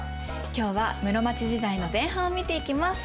今日は室町時代の前半を見ていきます。